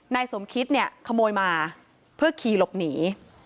นายสมคิดขโมยมาเพื่อขี่หลบหนี